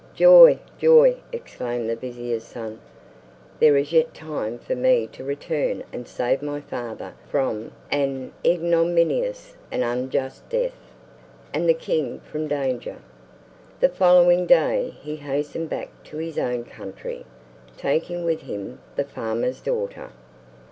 "Joy, joy!" exclaimed the vizier's son. "There is yet time for me to return and save my father from an ignominious and unjust death, and the king from danger." The following day he hastened back to his own country, taking with him the farmer's daughter.